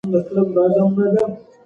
سهار نږدې و او ملا ویښ و.